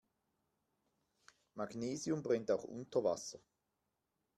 Magnesium brennt auch unter Wasser.